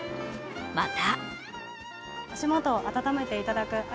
また